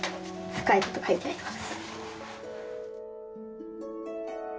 深いこと書いてあります。